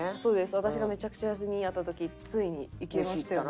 私がめちゃくちゃ休みあった時ついに行きましたよね。